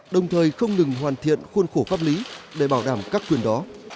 đồng thời không ngừng hoàn thiện khuôn khổ pháp lý để bảo đảm các quyền đó